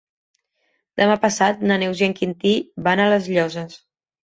Demà passat na Neus i en Quintí van a les Llosses.